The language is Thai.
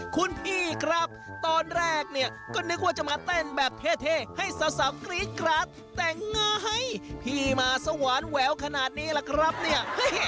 คุณพี่ครับตอนแรกเนี่ยก็นึกว่าจะมาเต้นแบบเท่ให้สาวกรี๊ดกราดแต่งงานพี่มาสว่านแหววขนาดนี้ล่ะครับเนี่ย